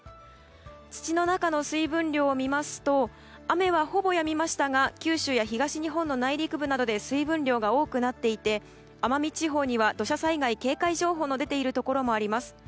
土の中の水分量を見ますと雨は、ほぼやみましたが九州や東日本の内陸部などで水分量が多くなっていて奄美地方には土砂災害警戒情報の出ているところもあります。